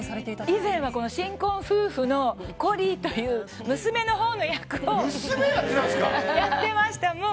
以前は新婚夫婦のコリーという娘のほうの役をやってました。